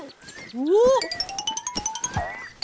おっ！